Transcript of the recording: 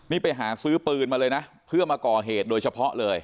นี่ไปหาซื้อปืนมาเลยนะเพื่อมาก่อเหตุโดยเฉพาะเลย